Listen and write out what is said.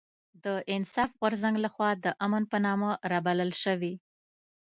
د انصاف غورځنګ لخوا د امن په نامه رابلل شوې